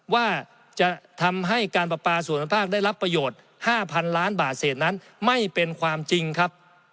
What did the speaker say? ว่าจะทำให้การประปาส่วนภาคได้รับประโยชน์๕๐๐๐ล้านบาทเศษนั้นไม่เป็นความจริงครับ